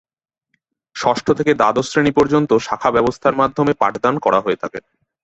ষষ্ঠ থেকে দ্বাদশ শ্রেণী পর্যন্ত শাখা ব্যবস্থার মাধ্যমে পাঠদান করা হয়ে থাকে।